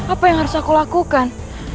apa yang harus aku lakukan